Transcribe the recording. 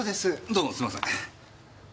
どうもすんません。